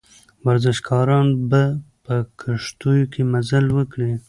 ورزشکاران به په کښتیو کې مزل وکړي.